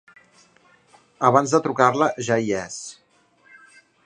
Abans de trucar-la ja hi és.